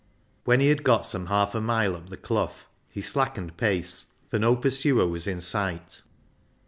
When he had got some half a mile up the Clough he slackened pace, for no pursuer was in sight.